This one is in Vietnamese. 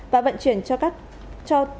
và vận chuyển cho các